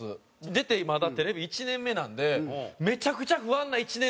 出てまだテレビ１年目なんでめちゃくちゃ不安な１年はありました。